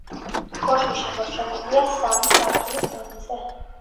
კოშკი შემორჩენილია სამი სართულის დონეზე.